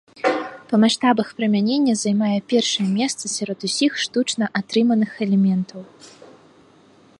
Па маштабах прымянення займае першае месца сярод усіх штучна атрыманых элементаў.